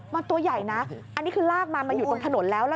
มันตัวใหญ่นะอันนี้คือลากมามาอยู่ตรงถนนแล้ว